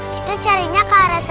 kita carinya ke arah sana